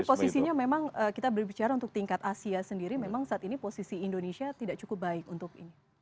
posisinya memang kita berbicara untuk tingkat asia sendiri memang saat ini posisi indonesia tidak cukup baik untuk ini